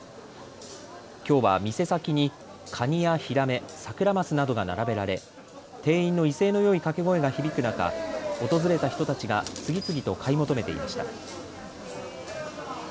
きょうは店先にカニやヒラメ、サクラマスなどが並べられ店員の威勢のよい掛け声が響く中、訪れた人たちが次々と買い求めていました。